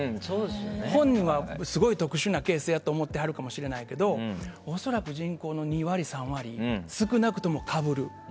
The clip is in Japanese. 本人はすごい特殊なケースやと思ってはるかもしれないけど恐らく人口の２割、３割が少なくとも、かぶる。